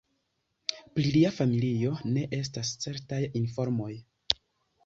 Pri lia familio ne estas certaj informoj.